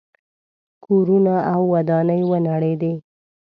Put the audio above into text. کورونه او ودانۍ ونړېدې.